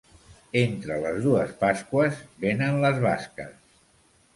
Entre les dues Pasqües venen les basques.